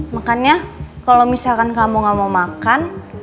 makanya kalau misalkan kamu gak mau makan